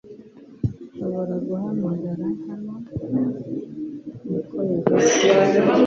Nshobora guhagarara hano? Niko yavuze